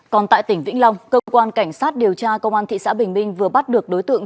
còn tại tỉnh vĩnh long cơ quan cảnh sát điều tra công an thị xã bình minh vừa bắt được đối tượng